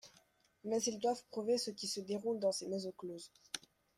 Mais ils doivent prouver ce qui se déroule dans ces maisons closes.